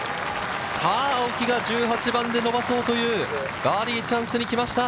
青木が１８番で伸ばそうというバーディーチャンスにきました！